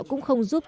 cũng không giúp